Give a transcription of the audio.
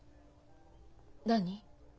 何？